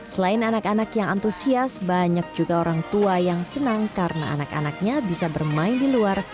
selain anak anak yang antusias banyak juga orang tua yang senang karena anak anaknya bisa bermain di luar